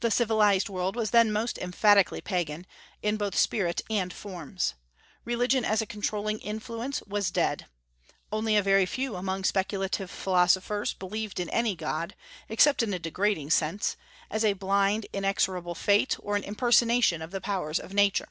The civilized world was then most emphatically Pagan, in both spirit and forms. Religion as a controlling influence was dead. Only a very few among speculative philosophers believed in any god, except in a degrading sense, as a blind inexorable fate, or an impersonation of the powers of Nature.